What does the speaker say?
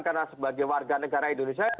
karena sebagai warga negara indonesia